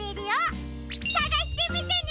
さがしてみてね！